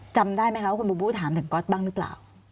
จำได้มั้ยคะว่าคุณบูบูถามถึงก๊อซบ้างนี่เปล่า